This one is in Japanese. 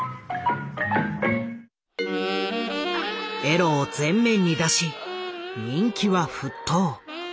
エロを前面に出し人気は沸騰。